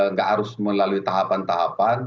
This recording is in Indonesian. nggak harus melalui tahapan tahapan